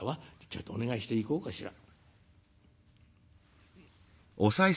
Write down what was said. ちょいとお願いしていこうかしら」。